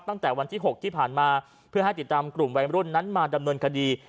ตั้งแต่วันที่๖ที่ผ่านมาเพื่อให้ติดตามกลุ่มวัยรุ่นนั้นมาดำเนินคดี